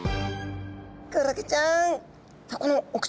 クラゲちゃん！